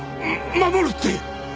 守るって？